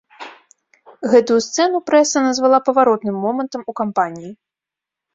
Гэтую сцэну прэса назвала паваротным момантам у кампаніі.